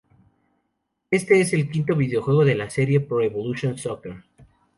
Este es el quinto videojuego de la serie Pro Evolution Soccer.